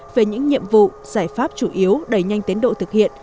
về những nhiệm vụ giải pháp chủ yếu đẩy nhanh tiến độ thực hiện